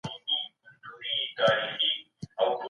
که ښوونکي د کوچنی ژبه ومني نو ایا د باور نشتوالی نه ختمېږي.